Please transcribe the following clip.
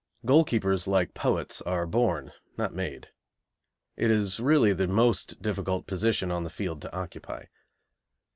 Goalkeepers, like poets, are born, not made. It is really the most difficult position on the field to occupy.